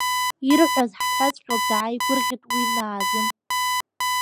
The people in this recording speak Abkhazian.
Ирҳәаз ҳәаҵәҟьоуп, дааигәырӷьеит уи Наазым.